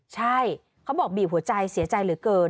ใช่เขาบอกบีบหัวใจเสียใจเหลือเกิน